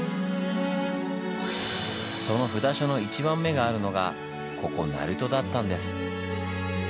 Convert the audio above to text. その札所の一番目があるのがここ鳴門だったんです。